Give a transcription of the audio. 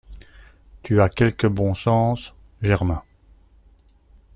Tu as quelque bon sens, Germain.